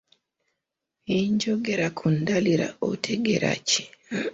Bwe njogera ku ndaliira otegeera ki?